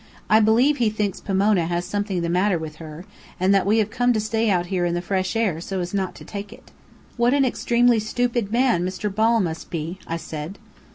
I believe he thinks Pomona has something the matter with her, and that we have come to stay out here in the fresh air so as not to take it." "What an extremely stupid man Mr. Ball must be!" I said.